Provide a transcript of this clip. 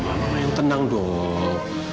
mama yang tenang dong